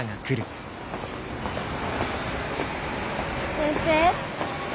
先生。